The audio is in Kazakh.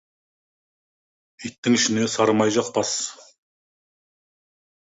Иттің ішіне сары май жақпас.